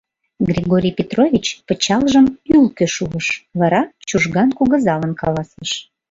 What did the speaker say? Григорий Петрович пычалжым ӱлкӧ шуыш, вара Чужган кугызалан каласыш: